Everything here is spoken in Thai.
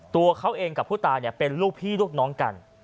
ตัวเขาเองกับผู้ตายเป็นลูกพี่ลูกน้องกัน